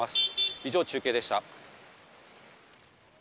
以上、中継でした。